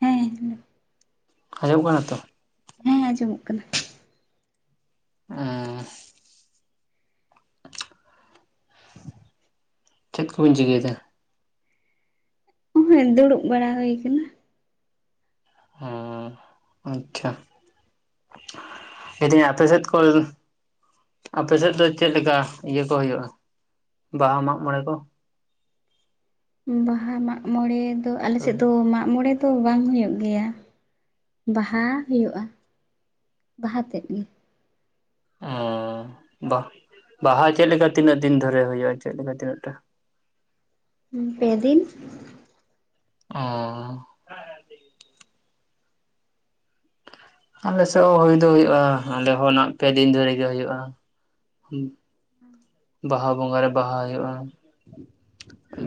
ᱦᱮᱸ ᱦᱩᱸ ᱟᱸᱡᱚᱜ ᱠᱟᱱᱟ ᱱᱤᱛᱚᱜ ᱦᱮᱸ ᱟᱸᱡᱚᱢᱚᱜ ᱠᱟᱱᱟ, ᱚᱸ ᱪᱮᱜ ᱠᱚᱵᱤᱱ ᱪᱮᱠᱟᱹᱭᱮᱫᱟ? ᱦᱮᱸ ᱫᱩᱲᱩᱵ ᱵᱟᱲᱟ ᱦᱩᱭ ᱠᱟᱱᱟ᱾ ᱚᱸ ᱟᱪᱪᱷᱟ᱾ ᱞᱟᱹᱭᱫᱟᱹᱧ ᱟᱯᱮ ᱥᱮᱫ ᱠᱚ ᱟᱯᱮ ᱥᱮᱫ ᱫᱚ ᱪᱮᱫ ᱞᱮᱠᱟ ᱤᱭᱟᱹ ᱠᱚ ᱦᱩᱭᱩᱜ-ᱟ ᱵᱟᱦᱟ ᱢᱟᱜ ᱢᱚᱬᱮ ᱠᱚ? ᱵᱟᱦᱟ ᱢᱟᱜ ᱢᱚᱬᱮ ᱫᱚ ᱟᱞᱮ ᱥᱮᱫ ᱦᱳᱭ ᱫᱚ ᱢᱟᱜ ᱢᱚᱬᱮ ᱫᱚ ᱵᱟᱝ ᱦᱩᱭᱩᱜ ᱜᱮᱭᱟ, ᱵᱟᱦᱟ ᱦᱩᱭᱩᱜ-ᱟ ᱵᱟᱦᱟ ᱛᱮᱫ ᱜᱮ᱾ ᱚᱻ ᱵᱟ, ᱵᱟᱦᱟ ᱪᱮᱫᱞᱮᱠᱟ ᱛᱤᱱᱟᱹᱜ ᱫᱤᱱ ᱫᱷᱚᱨᱮ ᱦᱩᱭᱩᱜ-ᱟ ᱪᱮᱫᱞᱮᱠᱟ ᱛᱤᱱᱟᱹᱜ ᱴᱟ? ᱦᱩᱸ, ᱯᱮ ᱫᱤᱱ᱾ ᱚᱻ ᱟᱞᱮ ᱥᱮᱫ ᱦᱚᱸ ᱦᱩᱭ ᱫᱚ ᱦᱩᱭᱩᱜ-ᱟ ᱟᱞᱮ ᱦᱚᱸ ᱯᱮ ᱫᱤᱱ ᱫᱷᱚᱨᱮ ᱜᱮ ᱦᱩᱭᱩᱜ-ᱟ᱾ ᱦᱩᱸ᱾ ᱵᱟᱦᱟ ᱵᱚᱸᱜᱟᱨᱮ ᱵᱟᱦᱟ ᱦᱩᱭᱩᱜ-ᱟ᱾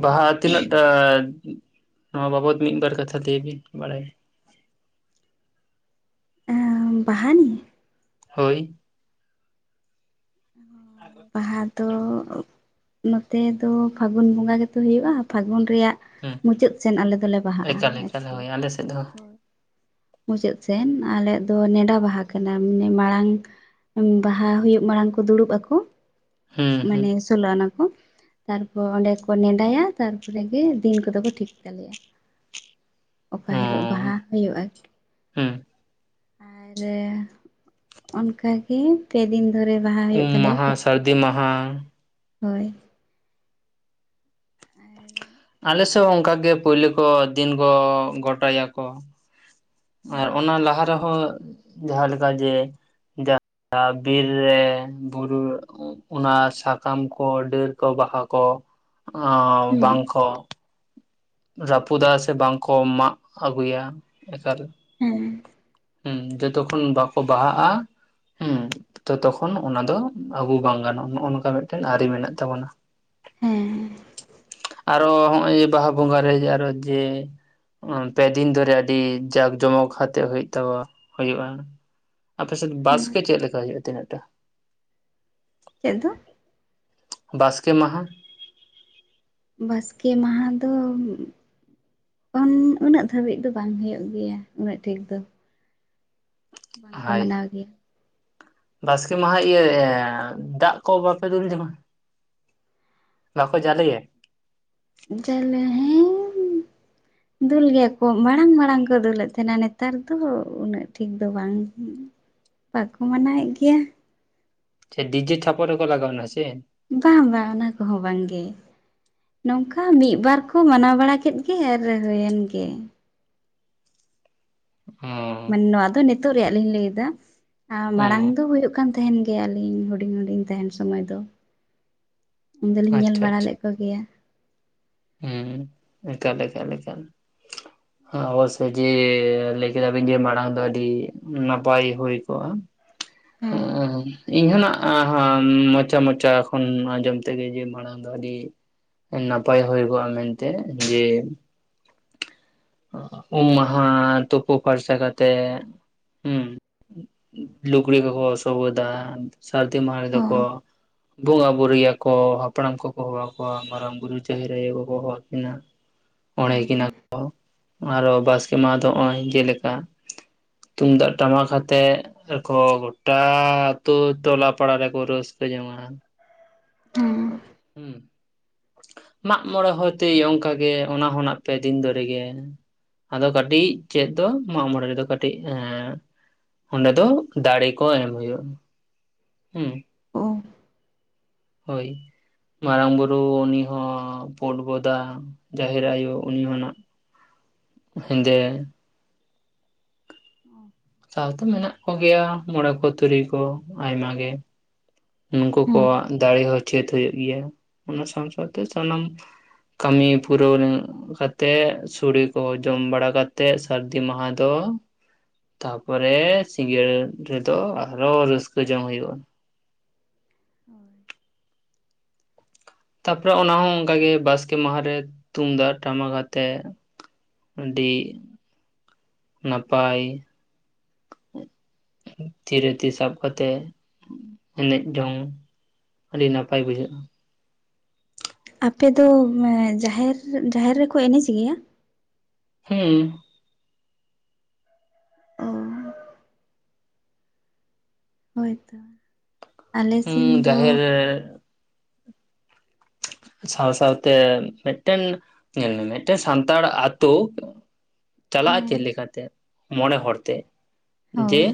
ᱵᱟᱦᱟ ᱛᱤᱱᱟᱹᱜᱴᱟ? ᱱᱚᱣᱟ ᱵᱟᱵᱚᱛ ᱢᱤᱫ ᱵᱟᱨ ᱠᱟᱛᱷᱟ ᱞᱟᱹᱭ ᱵᱤᱱ ᱵᱟᱲᱟᱭᱟ᱾ ᱩᱸᱻ ᱵᱟᱦᱟ ᱨᱮ? ᱦᱳᱭ᱾ ᱵᱟᱦᱟ ᱫᱚ ᱱᱚᱛᱮ ᱫᱚ ᱯᱷᱟᱜᱩᱱ ᱵᱚᱸᱜᱟ ᱜᱮᱛᱚ ᱦᱩᱭᱩᱜ-ᱟ, ᱯᱷᱟᱜᱩᱱ ᱨᱮᱭᱟᱜ ᱦᱮᱸ ᱢᱩᱪᱟᱹᱫ ᱥᱮᱱ ᱟᱞᱮ ᱫᱚᱞᱮ ᱵᱟᱦᱟᱜ-ᱟ ᱮᱠᱟᱞ ᱟᱨ ᱮᱠᱟᱞ ᱠᱤ᱾ ᱦᱳᱭ ᱟᱞᱮ ᱥᱮᱫ ᱦᱚᱸ ᱢᱩᱪᱟᱹᱫ ᱥᱮᱱ ᱟᱞᱮᱭᱟᱜ ᱫᱚ ᱱᱮᱰᱟ ᱵᱟᱦᱟ ᱠᱟᱱᱟ ᱢᱟᱱᱮ ᱢᱟᱲᱟᱝ ᱵᱟᱦᱟ ᱦᱩᱭᱩᱜ ᱢᱟᱲᱟᱝ ᱠᱚ ᱫᱩᱲᱩᱵ ᱟᱠᱚ ᱦᱩᱸ ᱦᱩᱸ ᱢᱟᱱᱮ ᱟᱹᱥᱩᱞᱚᱜ ᱚᱱᱟ ᱠᱚ ᱛᱟᱨᱯᱚᱨ ᱚᱸᱰᱮ ᱠᱚ ᱱᱮᱰᱟᱭᱟ ᱛᱟᱨᱯᱚᱨᱮ ᱜᱮ ᱫᱤᱱ ᱠᱚᱫᱚ ᱠᱚ ᱴᱷᱤᱠ ᱛᱟᱞᱮᱭᱟ᱾ [inaudible] ᱚᱠᱟ ᱦᱤᱞᱳᱜ ᱦᱚᱸ ᱵᱟᱦᱟ ᱦᱩᱭᱩᱜᱼᱟ ᱪᱤ? ᱦᱩᱸ᱾ ᱟᱨ ᱚᱱᱠᱟᱜᱮ᱾ ᱯᱮ ᱫᱤᱱ ᱫᱷᱚᱨᱮ ᱵᱟᱝ᱾ ᱩᱢ ᱢᱟᱦᱟ, ᱥᱟᱹᱨᱫᱤ ᱢᱟᱦᱟ᱾ ᱦᱩᱸ᱾ ᱟᱨ ᱟᱞᱮ ᱥᱮᱫ ᱦᱚᱸ ᱚᱝᱠᱟᱜᱮ ᱯᱳᱭᱞᱳ ᱠᱚ ᱫᱤᱱ ᱠᱚ ᱜᱚᱴᱟᱭᱟᱠᱚ᱾ ᱟᱨ ᱚᱱᱟ ᱞᱟᱦᱟ ᱨᱮᱦᱚᱸ ᱡᱟᱦᱟᱸᱞᱮᱠᱟ ᱡᱮ, [unintelligible] ᱵᱤᱨ ᱨᱮ ᱵᱩᱨᱩ ᱚᱱᱟ ᱥᱟᱠᱟᱢ ᱠᱚ, ᱰᱟᱹᱨ ᱠᱚ, ᱵᱟᱦᱟ ᱠᱚ, ᱚᱻ ᱦᱮᱸ ᱵᱟᱝᱠᱚ ᱨᱟᱹᱯᱩᱫᱟ ᱥᱮ ᱵᱟᱝᱠᱚ ᱢᱟᱜ ᱟᱹᱜᱩᱭᱟ᱾ ᱮᱠᱟᱞ᱾ ᱦᱮᱸ ᱦᱩᱸ, ᱡᱚᱛᱚᱠᱷᱚᱱ ᱵᱟᱠᱚ ᱵᱟᱦᱟᱜ-ᱟ᱾ ᱦᱩᱸ, ᱛᱚ ᱛᱚᱠᱷᱚᱱ ᱚᱱᱟ ᱫᱚ ᱟᱹᱜᱩ ᱵᱟᱝ ᱜᱟᱱᱚᱜ-ᱟ, ᱱᱚᱜ-ᱚ ᱱᱚᱝᱠᱟ ᱢᱤᱫᱴᱮᱱ ᱟᱹᱨᱤ ᱢᱮᱱᱟᱜ ᱛᱟᱵᱚᱱᱟ᱾ ᱦᱩᱸ᱾ ᱟᱨᱚ ᱦᱚᱸᱜ-ᱚᱭ ᱵᱟᱦᱟ ᱵᱚᱸᱜᱟᱮ ᱟᱨᱚ ᱡᱮ᱾ ᱯᱮᱫᱤᱱ ᱫᱷᱚᱨᱮ ᱟᱹᱰᱤ ᱡᱟᱸᱠ ᱡᱚᱢᱚᱠ ᱠᱟᱛᱜ ᱦᱩᱭᱩᱜ ᱛᱟᱵ, ᱦᱩᱭᱩᱜ-ᱟ᱾ ᱟᱯᱮ ᱥᱮᱫ ᱦᱮᱸ ᱵᱟᱥᱠᱮ ᱪᱮᱫ ᱞᱮᱠᱟ ᱦᱩᱭᱩᱜ-ᱟ ᱛᱤᱱᱟᱹᱜ ᱴᱟ? ᱪᱮᱫ ᱫᱚ? ᱵᱟᱥᱠᱮ ᱢᱟᱦᱟ᱾ ᱵᱟᱥᱠᱮ ᱢᱟᱦᱟ ᱫᱚ ᱚᱱ ᱩᱱᱟᱹᱜ ᱫᱷᱟᱹᱵᱤᱡ ᱫᱚ ᱵᱟᱝ ᱦᱩᱭᱩᱜ ᱜᱮᱭᱟ ᱩᱱᱟᱹᱜ ᱴᱷᱤᱠ ᱫᱚ᱾ ᱵᱟᱝᱠᱚ ᱦᱳᱭ ᱢᱟᱱᱟᱣ ᱜᱮᱭᱟ᱾ ᱵᱟᱥᱠᱮ ᱢᱟᱦᱟ ᱤᱭᱟᱹ ᱫᱟᱜ ᱠᱚ ᱵᱟᱯᱮ ᱫᱩᱞ ᱡᱚᱝᱟ? ᱵᱟᱠᱚ ᱡᱟᱞᱮᱭᱟ? [unintelligible] [inaudible] ᱫᱩᱞ ᱜᱮᱭᱟ ᱠᱚ ᱢᱟᱲᱟᱝ, ᱢᱟᱲᱟᱝ ᱠᱚ ᱫᱩᱞᱮᱫ ᱛᱟᱦᱮᱱᱟ ᱱᱮᱛᱟᱨ ᱫᱚ ᱩᱱᱟᱹᱜ ᱴᱷᱤᱠ ᱫᱚ ᱵᱟᱝ᱾ ᱵᱟᱠᱚ ᱢᱟᱱᱟᱣᱮᱫ ᱜᱮᱭᱟ᱾ ᱪᱮᱫ ᱰᱤᱡᱮᱨ ᱪᱷᱟᱯ ᱨᱮ ᱠᱚ ᱞᱟᱜᱟᱣᱱᱟ ᱥᱮ? ᱵᱟᱝ ᱵᱟᱝ ᱚᱱᱟ ᱠᱚᱦᱚᱸ ᱵᱟᱝ ᱜᱮ᱾ ᱱᱚᱝᱠᱟ ᱢᱤᱫᱵᱟᱨ ᱠᱚ ᱢᱟᱱᱟᱣ ᱵᱟᱲᱟ ᱠᱮᱫ ᱜᱮ ᱟᱨ ᱦᱩᱭᱮᱱ ᱜᱮ᱾ ᱦᱚᱸ ᱢᱟᱱᱮ ᱱᱚᱣᱟ ᱫᱚ ᱱᱤᱛᱚᱜ ᱨᱮᱭᱟᱜ ᱞᱤᱧ ᱞᱟᱹᱭ ᱫᱟ ᱢᱟᱲᱟᱝ ᱦᱚᱸ ᱫᱚ ᱦᱳᱭᱳᱜ ᱠᱟᱱ- ᱛᱟᱦᱮᱱ ᱜᱮᱭᱟ ᱞᱤᱧ ᱦᱩᱰᱤᱧ, ᱦᱩᱰᱤᱧ ᱛᱟᱦᱮᱱ ᱥᱚᱢᱚᱭ ᱫᱚ ᱩᱱ ᱫᱚ ᱞᱤᱧ ᱧᱮᱞ ᱟᱪᱪᱷᱟ ᱵᱟᱲᱟ ᱟᱪᱪᱷᱟ ᱞᱮᱫ ᱠᱚ ᱜᱮᱭᱟ᱾ ᱦᱩᱸ ᱮᱠᱟᱞ, ᱮᱠᱟᱞ, ᱮᱠᱟᱞ᱾ ᱚᱵᱚᱥᱳᱭ ᱡᱮ ᱞᱟᱹᱭ ᱠᱮᱫᱟ ᱵᱤᱱ ᱡᱮ ᱢᱟᱲᱟᱝ ᱫᱚ ᱟᱹᱰᱤ ᱱᱟᱯᱟᱭ ᱦᱩᱭ ᱠᱚᱜᱼᱟ᱾ ᱦᱮᱸ ᱤᱧ ᱦᱚᱸ ᱱᱟᱜ ᱢᱚᱪᱟ, ᱢᱚᱪᱟ ᱠᱷᱚᱱ ᱟᱸᱡᱚᱢ ᱛᱮᱜᱮ ᱡᱮ ᱢᱟᱲᱟᱝ ᱟᱹᱰᱤ ᱱᱟᱯᱟᱭ ᱦᱳᱭ ᱵᱟᱲᱟ ᱢᱮᱱᱛᱮ ᱡᱮ ᱩᱢ ᱢᱟᱦᱟ ᱛᱩᱯᱩ ᱯᱷᱟᱨᱥᱟ ᱠᱟᱛᱮ ᱦᱩᱸ᱾ ᱞᱩᱜᱽᱲᱤ ᱠᱚᱠᱚ ᱥᱚᱵᱚᱫᱟ ᱥᱟᱹᱨᱫᱤ ᱢᱟᱦᱟ ᱨᱮ ᱦᱚᱸ ᱫᱚᱠᱚ ᱵᱚᱸᱜᱟ ᱵᱩᱨᱩᱭ ᱟᱠᱚ ᱦᱟᱯᱲᱟᱢ ᱠᱚᱠᱚ ᱦᱚᱦᱚ ᱟᱠᱚᱣᱟ ᱢᱟᱨᱟᱝ ᱵᱩᱨᱩ ᱡᱟᱦᱮᱨ ᱟᱭᱚ ᱠᱚᱠᱚ ᱦᱚᱦᱚ ᱟᱠᱤᱱᱟ ᱾ ᱚᱲᱦᱮ ᱦᱮᱸ ᱠᱤᱱᱟ ᱦᱮᱸ ᱟᱨᱚ ᱵᱟᱥᱠᱮ ᱢᱟᱦᱟ ᱫᱚ ᱦᱚᱸᱜᱼᱚᱭ ᱡᱮᱞᱮᱠᱟ ᱛᱩᱢᱫᱟᱜ ᱴᱟᱢᱟᱠ ‌ᱟᱛᱮ ᱨᱮ ᱠᱚ ᱜᱚᱴᱟ ᱟᱛᱩ ᱴᱚᱞᱟ ᱯᱟᱲ ᱨᱮ ᱠᱚ ᱨᱟᱹᱥ ᱠᱟᱹᱡᱚᱝᱟ᱾ ᱦᱮᱸ ᱢᱟᱜ ᱢᱚᱸᱬᱮ ᱦᱚᱭ ᱛᱮ ᱚᱱᱠᱟ ᱜᱮ ᱚᱱᱟ ᱦᱚᱸᱱᱟᱜ ᱯᱮ ᱫᱤᱱ ᱫᱷᱳᱨᱮ ᱜᱮ᱾ ᱟᱫᱚ ᱠᱟᱹᱴᱤᱡ ᱪᱮᱫ ᱫᱚ ᱢᱟᱜ ᱢᱚᱸᱬᱮ ᱨᱮᱫᱚ ᱠᱟᱹᱴᱤᱡ ᱮᱸ ᱚᱸᱰᱮ ᱫᱚ ᱫᱟᱲᱮ ᱠᱚ ᱮᱢ ᱦᱩᱭᱩᱜ ᱦᱮᱸ᱾ ᱚ᱾ ᱦᱳᱭ᱾ ᱢᱟᱨᱟᱝ ᱵᱩᱨᱩ ᱩᱱᱤ ᱦᱚᱸ ᱯᱳᱸᱰ ᱵᱚᱫᱟ ᱡᱟᱦᱮᱨ ᱟᱭᱳ ᱩᱱᱤ ᱦᱚᱸ ᱱᱟᱜ ᱦᱮᱸᱫᱮ ᱚ᱾ ᱥᱟᱶ ᱫᱚ ᱢᱮᱱᱟᱜ ᱠᱚ ᱜᱮᱭᱟ ᱢᱚᱸᱬᱮ ᱠᱚ ᱛᱩᱨᱩᱭ ᱠᱚ ᱟᱭᱢᱟ ᱜᱮ᱾ ᱱᱩᱠᱩ ᱦᱮᱸ ᱠᱚᱣᱟᱜ ᱫᱟᱲᱮ ᱦᱚᱸ ᱪᱮᱫ ᱦᱩᱭᱩᱜ ᱜᱮᱭᱟ ᱚᱱᱟ ᱥᱟᱶ ᱥᱟᱶᱛᱮ ᱥᱟᱱᱟᱢ ᱠᱟᱹᱢᱤ ᱯᱩᱨᱟᱹᱣ ᱠᱟᱛᱮᱫ ᱥᱳᱲᱮ ᱠᱚ ᱡᱚᱢ ᱵᱟᱲᱟ ᱠᱟᱛᱮᱫ ᱥᱟᱹᱨᱫᱤ ᱢᱟᱦᱟ ᱫᱚ ᱛᱟᱯᱚᱨᱮ ᱥᱤᱸᱜᱟᱹᱲ ᱨᱮᱫᱚ ᱟᱨᱚ ᱨᱟᱹᱥᱠᱟᱹ ᱡᱚᱝ ᱦᱳᱭᱳᱜᱼᱟ᱾ ᱦᱳᱭ᱾ ᱛᱟᱯᱚᱨᱮ ᱚᱱᱟᱦᱚᱸ ᱚᱱᱠᱟᱜᱮ ᱵᱟᱥᱠᱮ ᱢᱟᱦᱟ ᱨᱮ ᱛᱩᱢᱫᱟᱜ ᱴᱟᱢᱟᱠ ᱟᱛᱮᱜ᱾ ᱟᱹᱰᱤ ᱱᱟᱯᱟᱭ᱾ ᱛᱤᱨᱮ ᱛᱤ ᱥᱟᱵ ᱠᱟᱛᱮ ᱮᱱᱮᱡ ᱡᱚᱝ ᱟᱹᱰᱤ ᱱᱟᱯᱟᱭ ᱵᱩᱡᱷᱟᱹᱜᱼᱟ᱾ ᱟᱯᱮ ᱫᱚ ᱡᱟᱦᱮᱨ, ᱡᱟᱦᱮᱨ ᱨᱮ ᱠᱚ ᱮᱱᱮᱡ ᱜᱮᱭᱟ? ᱦᱩᱸ᱾ ᱚᱻ ᱦᱳᱭ ᱛᱚ ᱟᱞᱮ ᱦᱩᱸ ᱥᱮᱱ ᱫᱚ ᱡᱟᱦᱮᱨ ᱥᱟᱶ ᱥᱟᱶ ᱛᱮ ᱢᱤᱫᱴᱮᱱ ᱧᱮᱞ ᱢᱮ ᱢᱤᱫᱴᱮᱱ ᱥᱟᱱᱛᱟᱲ ᱟᱛᱳ᱾ ᱪᱟᱞᱟᱜᱼᱟ ᱪᱮᱫ ᱦᱮᱸ ᱞᱮᱠᱟ ᱛᱮ ᱢᱚᱸᱬᱮ ᱦᱚᱲ ᱛᱮ ᱡᱮ ᱦᱳᱭ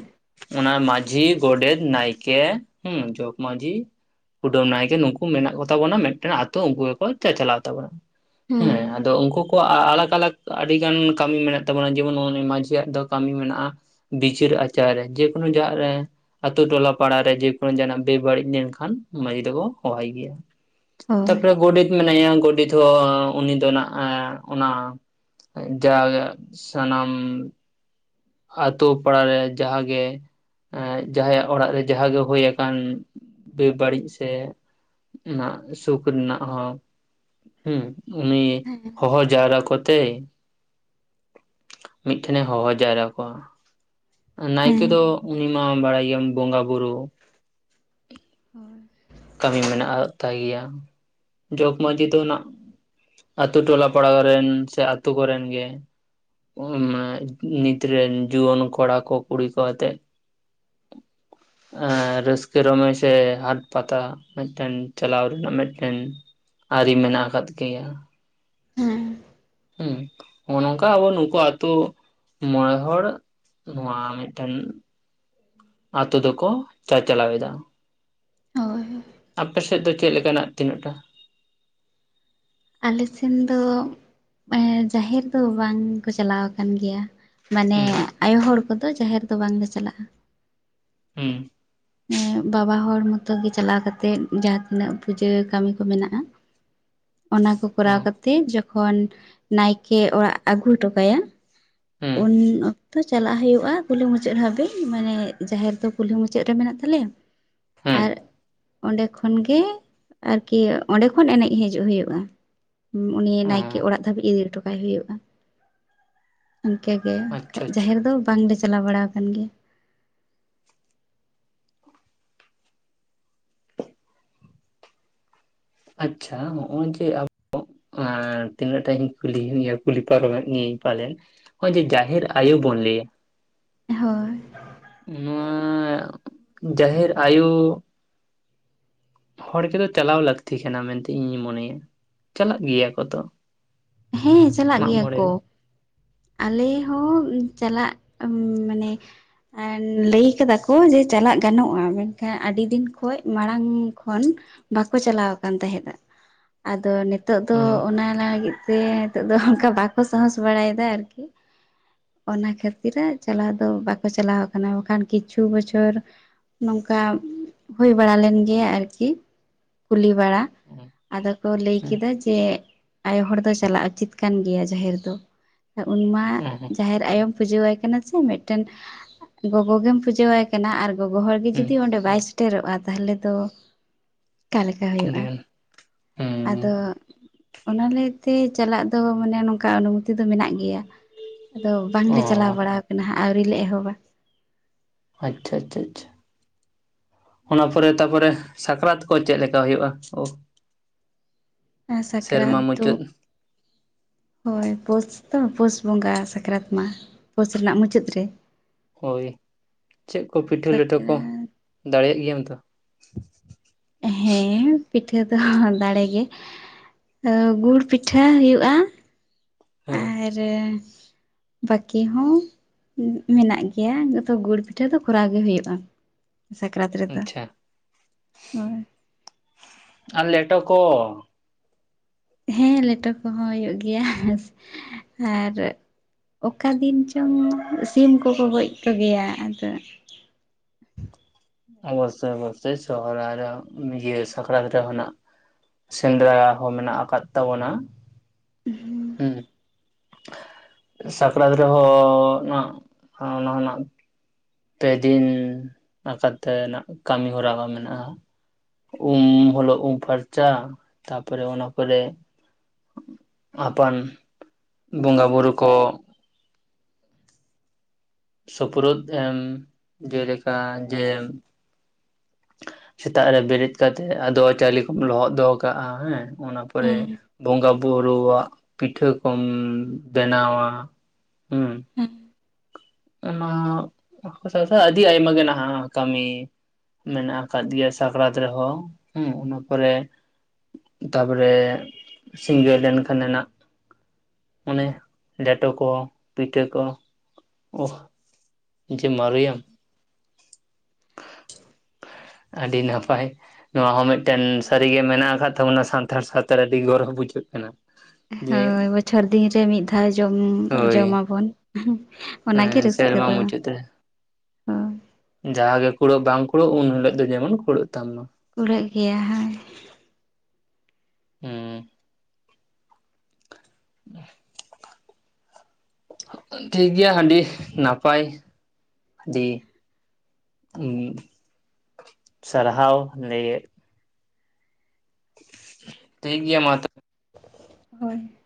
ᱚᱱᱟ ᱢᱟᱡ ᱡᱷᱤ ᱜᱳᱰᱮᱫ ᱱᱟᱭᱠᱮ ᱦᱩᱸ ᱡᱚᱜᱽ ᱢᱟᱡᱷᱤ᱾ ᱠᱩᱰᱟᱹᱢ ᱱᱟᱭᱠᱮ ᱱᱩᱠᱩ ᱢᱮᱱᱟᱜ ᱠᱚᱛᱟ ᱵᱚᱱᱟ ᱢᱤᱫᱴᱮᱱ ᱟᱛᱳ ᱩᱱᱠᱩ ᱜᱮ ᱠᱚ ᱪᱟᱪᱟᱞᱟᱣ ᱛᱟᱵᱚᱱᱟ, ᱦᱮᱸ᱾ ᱟᱫᱚ ᱩᱱᱠᱩ ᱠᱚᱣᱟᱜ ᱟᱞᱟᱠ ᱟᱞᱟᱠ ᱟᱰᱤᱜᱟᱱ ᱠᱟᱢᱤ ᱢᱮᱱᱟᱜ ᱛᱟᱵᱚᱱᱟ, ᱡᱮᱢᱚᱱ ᱱᱩᱜ-ᱩ ᱱᱤ ᱢᱟᱡᱷᱤᱭᱟᱜ ᱫᱚ ᱠᱟᱢᱤ ᱢᱮᱱᱟᱜ-ᱟ᱾ ᱵᱤᱪᱟᱹᱨ ᱟᱪᱟᱨ ᱨᱮ ᱡᱮᱠᱳᱱᱳ ᱡᱟᱜ ᱨᱮ᱾ ᱟᱛᱳ ᱴᱚᱞᱟ ᱯᱟᱲᱟᱨᱮ ᱡᱮᱠᱳᱱᱳ ᱡᱟᱦᱟᱱᱟᱜ ᱵᱮᱵᱟᱲᱤᱡ ᱞᱮᱱᱠᱷᱟᱱ ᱢᱟᱡᱷᱤ ᱫᱚ ᱠᱚ ᱦᱚᱦᱚᱭᱟᱭ ᱜᱮᱭᱟ᱾ ᱦᱳᱭ ᱛᱟᱨᱯᱚᱨᱮ ᱜᱳᱰᱮᱛ ᱢᱮᱱᱟᱭᱟ, ᱜᱚᱰᱮᱛ ᱦᱚᱸ ᱩᱱᱤ ᱫᱚ ᱱᱟᱜ-ᱟ, ᱚᱱᱟ ᱡᱟ ᱜᱮ ᱥᱟᱱᱟᱢ ᱟᱛᱳ ᱯᱟᱲᱟᱨᱮ ᱡᱟᱦᱟᱸ ᱜᱮ᱾ ᱮᱜ ᱡᱟᱦᱟᱸᱭᱟᱜ ᱚᱲᱟᱜ ᱨᱮ ᱡᱟᱦᱟᱸ ᱜᱮ ᱦᱳᱭ ᱟᱠᱟᱱ ᱵᱮ ᱵᱟᱹᱲᱤᱡ ᱥᱮ ᱱᱟᱜ ᱥᱩᱠ ᱨᱤᱱᱟᱜ ᱦᱚᱸ᱾ ᱦᱩᱸ, ᱩᱱᱤ ᱦᱮᱸ ᱦᱚᱦᱚ ᱡᱟᱣᱨᱟ ᱠᱚᱛᱮᱭ᱾ ᱢᱤᱱᱴᱷᱮᱱᱮ ᱦᱚᱦᱚ ᱡᱟᱣᱨᱟ ᱠᱚᱣᱟ, ᱱᱟᱭᱠᱮ ᱦᱮᱸ ᱫᱚ ᱩᱱᱤ ᱢᱟ ᱵᱟᱲᱟᱭ ᱜᱮᱭᱟᱢ ᱵᱚᱸᱜᱟ ᱵᱩᱨᱩ᱾ ᱦᱳᱭ᱾ ᱠᱟᱹᱢᱤ ᱢᱮᱱᱟᱜ ᱟᱜ ᱛᱟᱭ ᱜᱮᱭᱟ, ᱡᱚᱜᱽ ᱢᱟᱺᱡᱷᱤ ᱫᱚ ᱱᱟᱜ ᱟᱛᱳ ᱴᱚᱞᱟ ᱯᱟᱲᱟ ᱠᱚᱨᱮᱱ ᱥᱮ ᱟᱛᱳ ᱠᱚᱨᱮᱱ ᱜᱮ᱾ ᱩᱜ ᱢᱟᱱᱮ ᱱᱤᱛ ᱨᱮᱱ ᱡᱩᱣᱟᱹᱱ ᱠᱚᱲᱟ ᱠᱚ ᱠᱩᱲᱤ ᱠᱚ ᱟᱛᱮᱫ ᱮ ᱨᱟᱹᱥᱠᱟᱹ ᱨᱚᱢᱚᱡ ᱥᱮ ᱦᱟᱴ ᱯᱟᱛᱟ ᱢᱤᱫᱴᱮᱱ ᱪᱟᱞᱟᱣ ᱨᱮᱱᱟᱜ ᱢᱤᱫᱴᱮᱱ ᱟᱹᱨᱤ ᱢᱮᱱᱟᱜ ᱟᱠᱟᱫ ᱜᱮᱭᱟ᱾ ᱦᱮᱸ ᱦᱩᱸ, ᱦᱚᱸᱜ-ᱚ ᱱᱚᱝᱠᱟ ᱟᱵᱚ ᱱᱩᱠᱩ ᱟᱛᱳ ᱢᱚᱬᱮ ᱦᱚᱲ᱾ ᱱᱚᱣᱟ ᱢᱤᱱᱴᱮᱱ ᱟᱛᱳ ᱫᱚᱠᱚ ᱪᱟᱪᱟᱞᱟᱣ ᱮᱫᱟ, ᱦᱳᱭ ᱟᱯᱮ ᱥᱮᱫ ᱫᱚ ᱪᱮᱱ ᱞᱮᱠᱟᱱᱟᱜ ᱛᱤᱱᱟᱹᱜ ᱴᱟ? ᱟᱞᱮ ᱥᱮᱱ ᱫᱚ ᱡᱟᱦᱮᱨ ᱫᱚ ᱵᱟᱝ ᱠᱚ ᱪᱟᱞᱟᱣ ᱠᱟᱱ ᱜᱮᱭᱟ᱾ ᱢᱟᱱᱮ ᱦᱩᱸ ᱟᱭᱳ ᱦᱚᱲ ᱠᱚᱫᱚ ᱡᱟᱦᱮᱨ ᱫᱚ ᱵᱟᱝᱞᱮ ᱪᱟᱞᱟᱜ-ᱟ᱾ ᱦᱩᱸ᱾ ᱵᱟᱵᱟ ᱦᱚᱲ ᱢᱚᱛᱚ ᱜᱮ ᱪᱟᱞᱟᱣ ᱠᱟᱛᱮᱜ ᱡᱟᱦᱟᱸ ᱛᱤᱱᱟᱹᱜ ᱯᱩᱡᱟᱹ ᱠᱟᱢᱤ ᱠᱚ ᱢᱮᱱᱟᱜ-ᱟ᱾ [inaudible] ᱚᱱᱟ ᱠᱚ ᱚ ᱠᱚᱨᱟᱣ ᱠᱟᱛᱮᱜ ᱡᱚᱠᱷᱚᱱ ᱱᱟᱭᱠᱮ ᱚᱲᱟᱜ ᱟᱜᱩ ᱦᱚᱴᱚ ᱠᱟᱭᱟ᱾ ᱦᱩᱸ ᱩᱱ ᱚᱠ ᱛᱚ ᱪᱟᱞᱟᱜ ᱦᱩᱭᱩᱜ-ᱟ ᱠᱩᱞᱦᱤ ᱢᱩᱪᱟᱹᱫ ᱦᱟᱹᱵᱤᱡ, ᱢᱟᱱᱮ ᱡᱟᱦᱮᱨ ᱫᱚ ᱠᱩᱞᱦᱤ ᱢᱩᱪᱟᱹᱫ ᱨᱮ ᱢᱮᱱᱟᱜ ᱛᱟᱞᱮᱭᱟ᱾ ᱦᱩᱸ ᱟᱨ ᱚᱸᱰᱮ ᱠᱷᱚᱱ ᱜᱮ ᱟᱨᱠᱤ ᱚᱸᱰᱮ ᱠᱷᱚᱱ ᱮᱱᱮᱡ ᱦᱤᱡᱩᱜ ᱦᱩᱭᱩᱜ-ᱟ᱾ ᱦᱩ ᱩᱱᱤ ᱚ ᱱᱟᱭᱠᱮ ᱚᱲᱟᱜ ᱫᱷᱟᱹᱵᱤᱡ ᱤᱫᱤ ᱦᱚᱴᱚᱠᱟᱭ ᱦᱩᱭᱩᱜ-ᱟ᱾ [inaudible] ᱤᱱᱠᱟᱹ ᱜᱮ ᱟᱪᱪᱷᱟ ᱠᱷᱟᱡ ᱟᱪᱪᱷᱟ ᱡᱟᱦᱮᱨ ᱫᱚ ᱵᱟᱝᱞᱮ ᱪᱟᱞᱟᱣ ᱵᱟᱲᱟ ᱟᱠᱟᱱ ᱜᱮᱭᱟ᱾ ᱟᱪᱪᱷᱟ, ᱦᱚᱸᱜ-ᱚᱭ ᱡᱮ ᱟᱵᱚ ᱮ ᱛᱤᱱᱟᱹᱜ ᱴᱟ ᱤᱧ ᱠᱩᱞᱤ, ᱤᱭᱟᱹ ᱠᱩᱞᱤ ᱯᱟᱨᱚᱢ ᱢᱮᱜ ᱢᱤᱭᱟᱹᱧ ᱯᱟᱞᱮᱱ᱾ ᱦᱚᱜ-ᱚᱭ ᱡᱮ ᱡᱟᱦᱮᱨ ᱟᱭᱳ ᱵᱚᱱ ᱞᱟᱹᱭᱟ᱾ ᱦᱳᱭ ᱱᱚᱣᱟ ᱡᱟᱦᱮᱨ ᱟᱭᱳ ᱦᱚᱲ ᱠᱚ ᱫᱚ ᱪᱟᱞᱟᱣ ᱞᱟᱹᱠᱛᱤ ᱠᱟᱱᱟ ᱢᱮᱱᱛᱮ ᱤᱧᱤᱧ ᱢᱚᱱᱮᱭᱟ, ᱪᱟᱞᱟᱜ ᱜᱮᱭᱟ ᱠᱚ ᱛᱚ᱾ ᱦᱮᱸ, ᱪᱟᱞᱟᱜ ᱜᱮᱭᱟ ᱠᱚ᱾ ᱟᱞᱮ ᱦᱚᱸ ᱪᱟᱞᱟᱜ, ᱢᱟᱱᱮ ᱮᱱ ᱞᱟᱹᱭ ᱠᱟᱫᱟ ᱠᱚ ᱡᱮ ᱪᱟᱞᱟᱜ ᱜᱟᱱᱚᱜ-ᱟ, ᱢᱮᱱᱠᱷᱟᱱ ᱟᱹᱰᱤ ᱫᱤᱱ ᱠᱷᱚᱱ ᱢᱟᱲᱟᱝ ᱠᱷᱚᱱ᱾ ᱵᱟᱠᱚ ᱪᱟᱞᱟᱣ ᱟᱠᱟᱱ ᱛᱟᱦᱮᱸᱫ-ᱟ, ᱟᱫᱚ ᱱᱤᱛᱚᱜ ᱫᱚ ᱦᱩᱸ ᱚᱱᱟ ᱞᱟᱹᱜᱤᱫ ᱛᱮ ᱱᱤᱛᱚᱜ ᱫᱚ ᱚᱱᱠᱟ ᱵᱟᱠᱚ ᱥᱟᱸᱦᱚᱥ ᱵᱟᱲᱟᱭᱫᱟ ᱟᱨᱠᱤ᱾ ᱚᱱᱟ ᱠᱷᱟᱹᱛᱤᱨᱟ ᱪᱟᱞᱟᱣ ᱫᱚ ᱵᱟᱠᱚ ᱪᱟᱞᱟᱣ ᱠᱟᱱᱟ ᱵᱟᱠᱷᱟᱱ ᱠᱤᱪᱷᱩ ᱵᱚᱪᱷᱚᱨ ᱱᱚᱝᱠᱟ ᱦᱩᱭ ᱵᱟᱲᱟ ᱞᱮᱱ ᱜᱮᱭᱟ ᱟᱨᱠᱤ, ᱠᱩᱞᱤ ᱵᱟᱲᱟ, ᱦᱩᱸ ᱟᱫᱚ ᱠᱚ ᱞᱟᱹᱭ ᱠᱮᱫᱟ ᱡᱮ ᱟᱭᱳ ᱦᱚᱲ ᱫᱚ ᱪᱟᱞᱟᱜ ᱩᱪᱤᱛ ᱠᱟᱱ ᱜᱮᱭᱟ ᱡᱟᱦᱮᱨ ᱫᱚ, ᱩᱱᱢᱟ ᱦᱩᱸ ᱦᱩᱸ ᱡᱟᱦᱮᱨ ᱟᱭᱳ ᱯᱩᱡᱟᱹᱣᱟᱭ ᱠᱟᱱᱟ ᱥᱮ, ᱢᱤᱫᱴᱮᱱ ᱜᱚᱜᱚ ᱜᱮᱢ ᱯᱩᱡᱟᱹᱣᱟᱭ ᱠᱟᱱᱟ ᱟᱨ ᱜᱚᱜᱚ ᱦᱚᱲᱜᱮ ᱦᱩᱸ ᱡᱩᱫᱤ ᱚᱸᱰᱮ ᱵᱟᱭ ᱥᱮᱴᱮᱨᱚᱜᱼᱟ ᱛᱟᱦᱚᱞᱮ ᱛᱚ ᱚᱠᱟ ᱞᱮᱠᱟ ᱦᱩᱭᱩᱜᱼᱟ᱾ ᱟᱹᱰᱤᱜᱟᱱ ᱦᱩᱸ ᱟᱫᱚ ᱚᱱᱟᱞᱮ ᱛᱮ ᱪᱟᱞᱟᱜ ᱫᱚ ᱢᱟᱱᱮ ᱱᱚᱝᱠᱟ ᱚᱱᱩᱢᱚᱛᱤ ᱫᱚ ᱢᱮᱱᱟᱜ ᱜᱮᱭᱟ, ᱟᱫᱚ ᱵᱟᱝᱞᱮ ᱚ ᱪᱟᱞᱟᱣ ᱵᱟᱲᱟ ᱠᱟᱱᱟ ᱦᱟᱸᱜ᱾ ᱟᱹᱣᱨᱤ ᱞᱮ ᱮᱦᱚᱵᱟ᱾ ᱟᱪᱪᱷᱟ ᱟᱪᱷᱟ ᱟᱪᱪᱷᱟ᱾ ᱚᱱᱟ ᱯᱚᱨᱮ ᱛᱟᱯᱚᱨᱮ ᱥᱟᱠᱨᱟᱛ ᱠᱚ ᱪᱮᱫ ᱞᱮᱠᱟ ᱦᱩᱭᱩᱜᱼᱟ ᱳ? [inaudible] ᱮᱸ ᱥᱟᱠᱨᱟᱛ ᱫᱚ [inaudible] ᱦᱳᱭ ᱯᱳᱥ ᱛᱚ ᱯᱳᱥ ᱵᱚᱸᱜᱟ ᱥᱟᱠᱨᱟᱛ ᱢᱟ, ᱯᱳᱥ ᱨᱮᱱᱟᱜ ᱢᱩᱪᱟᱹᱫ ᱨᱮ᱾ ᱦᱳᱭ ᱪᱮᱫ ᱠᱚ ᱯᱤᱴᱷᱟᱹ ᱞᱮᱴᱟᱹ ᱠᱚ ᱥᱟᱠᱨᱟᱛ ᱫᱟᱲᱮᱭᱟᱜ ᱜᱮᱭᱟᱢ ᱛᱚ? ᱦᱮᱸ ᱯᱤᱴᱷᱟᱹ ᱫᱚ ᱫᱟᱲᱮ ᱜᱮ, ᱟᱫᱚ ᱜᱩᱲ ᱯᱤᱴᱷᱟᱹ ᱦᱩᱭᱩᱜᱼᱟ᱾ ᱦᱮᱸ᱾ ᱮᱨᱮ ᱵᱟᱹᱠᱤ ᱦᱚᱸ᱾ ᱩᱸ ᱢᱮᱱᱟᱜ ᱜᱮᱭᱟ [inaudible] ᱜᱩᱲ ᱯᱤᱴᱷᱟᱹ ᱫᱚ ᱠᱚᱨᱟᱣ ᱜᱮ ᱦᱩᱭᱩᱜᱼᱟ᱾ ᱥᱟᱠᱨᱟᱛ ᱨᱮᱫᱚ, ᱟᱪᱪᱷᱟ ᱦᱳᱭ᱾ ᱟᱨ ᱞᱮᱴᱚ ᱠᱚ᱾ ᱦᱮᱸ ᱞᱮᱴᱚ ᱠᱚᱦᱚᱸ ᱦᱩᱭᱩᱜ ᱜᱮᱭᱟ, ᱟᱨ ᱚᱠᱟ ᱫᱤᱱ ᱪᱚᱝ ᱥᱤᱢ ᱠᱚᱠᱚ ᱜᱚᱡ ᱠᱚ ᱜᱮᱭᱟ ᱟᱫᱚ ᱚᱵᱚᱥᱥᱳᱭ ᱚᱵᱚᱥᱥᱳᱭ ᱥᱚᱦᱚᱨᱟᱭ ᱨᱮ ᱤᱭᱟᱹ ᱥᱟᱠᱨᱟᱛ ᱨᱮᱦᱚ ᱱᱟᱜ ᱥᱮᱸᱫᱽᱨᱟ ᱦᱚᱸ ᱢᱮᱱᱟᱜ ᱟᱠᱟᱫ ᱛᱟᱵᱚᱱᱟ᱾ ᱦᱩᱸ ᱥᱟᱠᱨᱟᱛ ᱨᱮᱦᱚᱸ ᱱᱟᱜ ᱟᱸ ᱚᱱᱟ ᱦᱚᱸ ᱱᱟᱜ ᱯᱮ ᱫᱤᱱ ᱟᱠᱟᱛᱮ ᱱᱟᱜ ᱠᱟᱹᱢᱤ ᱦᱚᱨᱟ ᱦᱚᱸ ᱢᱮᱱᱟᱜᱼᱟ᱾ ᱩᱢ ᱳᱞᱳᱜ ᱩᱢ ᱯᱷᱟᱨᱪᱟ, ᱛᱟᱯᱚᱨᱮ ᱚᱱᱟ ᱯᱚᱨᱮ ᱟᱯᱟᱱ ᱵᱚᱸᱜᱟ ᱵᱩᱨᱩᱳ ᱠᱚ ᱥᱩᱯᱨᱩᱫ ᱮᱢ ᱡᱮᱞᱮᱠᱟ ᱡᱮ ᱥᱮᱛᱟᱜ ᱨᱮ ᱵᱮᱨᱮᱫ ᱠᱟᱛᱮᱜ ᱟᱫᱣᱟ ᱪᱟᱣᱞᱮ ᱠᱚᱢ ᱞᱚᱦᱚᱫ ᱫᱚᱦᱚ ᱠᱟᱜᱼᱟ ᱦᱮᱸ, ᱚᱱᱟ ᱯᱚᱨᱮ ᱦᱮᱸ ᱵᱚᱸᱜᱟ ᱵᱩᱨᱩᱣᱟᱜ ᱯᱤᱴᱷᱟᱹ ᱠᱚᱢ ᱵᱮᱱᱟᱣᱟ ᱦᱩᱸ, ᱚᱱᱟ [unintelligible] ᱟᱹᱰᱤ ᱟᱭᱢᱟ ᱜᱮ ᱱᱟᱦᱟᱜ ᱠᱟᱹᱢᱤ ᱢᱮᱱᱟᱜ ᱟᱠᱟᱫ ᱜᱮᱭᱟ ᱥᱟᱠᱨᱟᱛ ᱨᱮᱦᱚᱸ ᱦᱩᱸ, ᱚᱱᱟ ᱯᱚᱨᱮ ᱛᱟᱨᱯᱚᱨᱮ ᱥᱤᱸᱜᱟᱹᱲ ᱞᱮᱱ ᱠᱷᱟᱱᱮ ᱱᱟᱜ ᱚᱱᱮ ᱞᱮᱴᱚ ᱠᱚ ᱯᱤᱴᱷᱟᱹ ᱠᱚ, ᱳᱦ ᱡᱮ ᱢᱟᱨᱩᱭᱟᱢ᱾ ᱟᱹᱰᱤ ᱱᱟᱯᱟᱭ᱾ ᱱᱚᱣᱟ ᱦᱚᱸ ᱢᱤᱫᱴᱮᱱ ᱥᱟᱹᱨᱤᱜᱮ ᱢᱮᱱᱟᱜ ᱟᱠᱟᱫ ᱛᱟᱵᱚᱱᱟ ᱥᱟᱱᱛᱟᱲ ᱥᱟᱶᱛᱟ ᱨᱮ ᱟᱹᱰᱤ ᱜᱚᱨᱚᱵᱽ ᱵᱩᱡᱷᱟᱹᱜ ᱠᱟᱱᱟ᱾ ᱡᱮ ᱦᱳᱭ ᱵᱚᱪᱷᱚᱨ ᱫᱤᱱᱨᱮ ᱢᱤᱫ ᱫᱷᱟᱣ ᱡᱚᱢ ᱡᱚᱢ ᱦᱳᱭ ᱟᱵᱚᱱ᱾ ᱚᱱᱟ ᱜᱮ ᱦᱮᱸ ᱨᱟᱹᱥᱠᱟᱹ ᱥᱮᱨᱢᱟ ᱫᱚ᱾ ᱢᱩᱪᱟᱹᱫ ᱨᱮ ᱦᱳᱭ ᱡᱟᱦᱟᱸ ᱜᱮ ᱠᱩᱲᱟᱹᱜ ᱵᱟᱝ ᱠᱩᱲᱟᱹᱜ ᱩᱱ ᱦᱤᱞᱳᱜ ᱫᱚ ᱡᱮᱢᱚᱱ ᱠᱩᱲᱟᱹᱜ ᱛᱟᱢ ᱢᱟ᱾ ᱠᱩᱲᱟᱹᱜ ᱜᱮᱭᱟ ᱦᱳᱭ᱾ ᱩᱸ ᱾ [inaudible] ᱴᱷᱤᱠ ᱜᱮᱭᱟ ᱦᱟᱺᱰᱤ ᱱᱟᱯᱟᱭ ᱟᱹᱰᱤ ᱩᱸ ᱥᱟᱨᱦᱟᱣ [unintelligible] ᱴᱷᱤᱠ ᱜᱮᱭᱟ ᱢᱟ ᱛᱚᱵᱮ᱾ ᱦᱳᱭ᱾